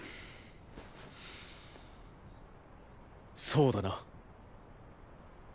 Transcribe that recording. そうだな。